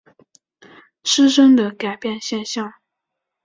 失真的改变现象。